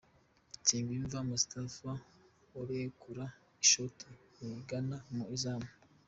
Nsengiyumva Moustapha arekura ishoti rigana mu izamu.